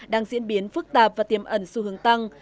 đang diễn biến phức tạp và tiềm ẩn xu hướng tăng